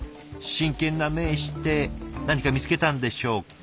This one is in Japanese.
真剣な目して何か見つけたんでしょうか？